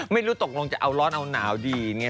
ไม่รู้ตกลงจะเอาร้อนเอาหนาวดีไง